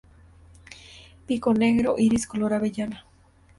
Pico negro, iris color avellana.